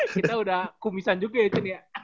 kita udah kumisan juga ya chen ya